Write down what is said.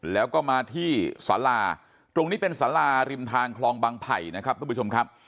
แล้วก็มาที่สาราตรงนี้เป็นสาราริมทางคลองบังไผ่นะครับทุกผู้ชมครับ